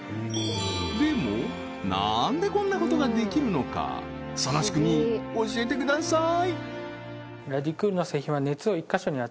でもなんでこんなことができるのかその仕組み教えてください